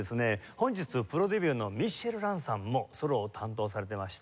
本日プロデビューのミッシェル藍さんもソロを担当されてました。